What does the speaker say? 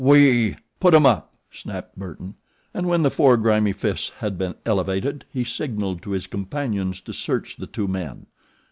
"We ." "Put 'em up!" snapped Burton, and when the four grimy fists had been elevated he signalled to his companions to search the two men.